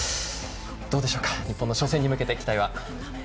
どうでしょう、日本の初戦に向け期待は。